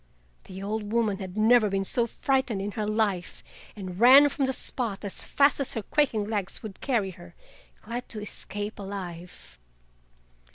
The old woman had never been so frightened in her life, and ran from the spot as fast as her quaking legs would carry her, glad to escape alive.